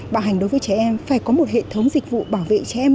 bảo hành đối với trẻ em phải có một hệ thống dịch vụ bảo vệ trẻ em